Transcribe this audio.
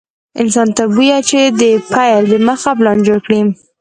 انسان ته بويه چې د پيل دمخه پلان جوړ کړي.